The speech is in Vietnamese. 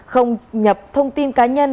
không nhập thông tin cá nhân